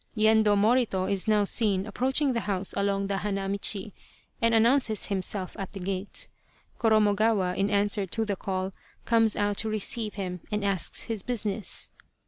Yendo Morito is now seen approaching the house along the hana michi, and announces himself at the gate. Korornogawa, in answer to the call, comes out to receive him and asks his business.